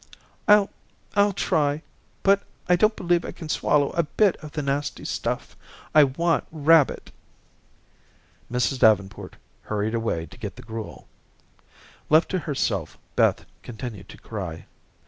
"I'll I'll try, but I don't believe I can swallow a bit of the nasty stuff. I want rabbit." Mrs. Davenport hurried away to get the gruel. Left to herself, Beth continued to cry.